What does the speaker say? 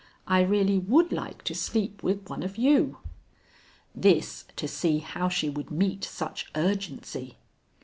I really would like to sleep with one of you." This, to see how she would meet such urgency.